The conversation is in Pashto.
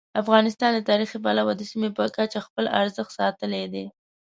افغانستان له تاریخي پلوه د سیمې په کچه خپل ارزښت ساتلی دی.